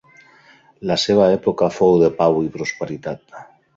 La seva època fou de pau i prosperitat.